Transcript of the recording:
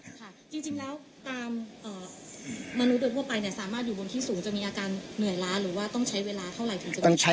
ค่ะจริงแล้วตามมนุษย์โดยทั่วไปเนี่ยสามารถอยู่บนที่สูงจะมีอาการเหนื่อยล้าหรือว่าต้องใช้เวลาเท่าไหร่ถึงจะต้องใช้